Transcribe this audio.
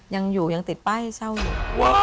ยังอยู่ยังติดป้ายเช่าอยู่